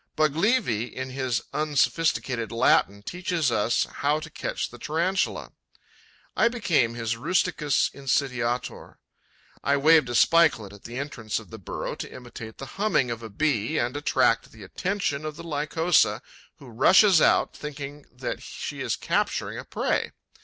Baglivi, in his unsophisticated Latin, teaches us how to catch the Tarantula. I became his rusticus insidiator; I waved a spikelet at the entrance of the burrow to imitate the humming of a Bee and attract the attention of the Lycosa, who rushes out, thinking that she is capturing a prey.